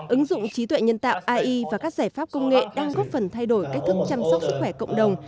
ứng dụng trí tuệ nhân tạo ai và các giải pháp công nghệ đang góp phần thay đổi cách thức chăm sóc sức khỏe cộng đồng